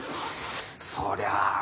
そりゃあ